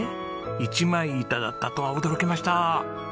一枚板だったとは驚きました！